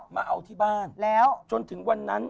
มาเอาที่บ้านแล้วจนถึงวันนั้น